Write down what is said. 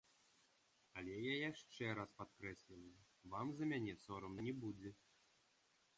Але я яшчэ раз падкрэсліваю, вам за мяне сорамна не будзе.